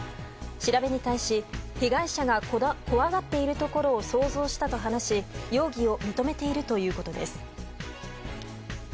調べに対し被害者が怖がっているところを想像したと話し容疑を認めているということです。